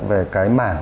về cái mảng